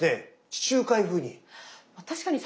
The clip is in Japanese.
地中海風に。